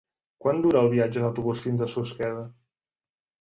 Quant dura el viatge en autobús fins a Susqueda?